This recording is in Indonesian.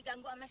aku pun mah